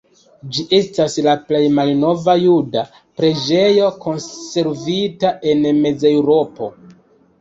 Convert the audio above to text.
Ĝi estas la plej malnova juda preĝejo konservita en Mezeŭropo.